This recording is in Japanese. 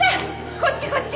こっちこっち。